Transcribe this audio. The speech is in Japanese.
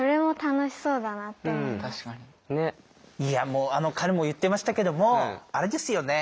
もうあの彼も言ってましたけどもあれですよね